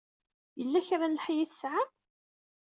Yella kra n leḥya ay tesɛam?